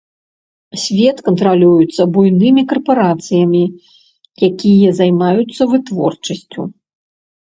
Свет кантралюецца буйнымі карпарацыямі, якія займаюцца вытворчасцю.